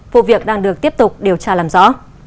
vụ việc đang được tiếp tục điều tra làm rõ